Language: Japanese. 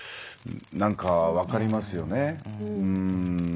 なんか分かりますよね。